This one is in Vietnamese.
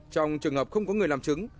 trong trường hợp không có người làm chứng